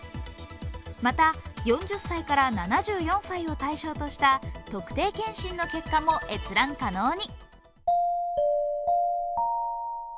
また４０歳から７４歳を対象とした特定健診の結果も閲覧可能に。